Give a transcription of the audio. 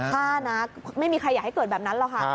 ฆ่านะไม่มีใครอยากให้เกิดแบบนั้นหรอกค่ะ